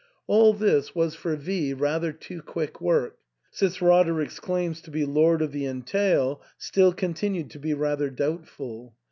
All this was for V rather too quick work, since Roderick's claims to be lord of the entail still continued to be rather doubtful.